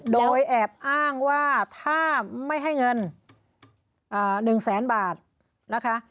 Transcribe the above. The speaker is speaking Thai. โดยแอบอ้างว่าถ้าไม่ให้เงิน๑แสนบาทนะคะ